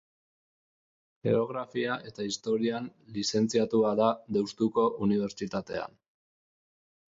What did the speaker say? Geografia eta Historian lizentziatua da Deustuko Unibertsitatean.